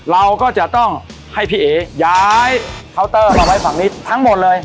เราก็จะต้องให้พี่เอ๋ย้ายเคาน์เตอร์มาไว้ฝั่งนี้ทั้งหมดเลย